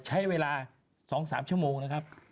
ใช้เวลาสองสามชั่วโมงนะครับ